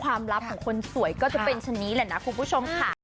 ลับของคนสวยก็จะเป็นชนิดนี้แหละนะคุณผู้ชมค่ะ